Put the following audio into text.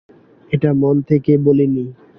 এটা মন থেকে বলিনি।